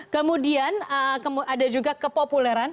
kemudian ada juga kepopuleran